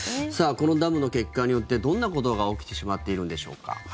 このダムの決壊によってどんなことが起きてしまっているんでしょうか。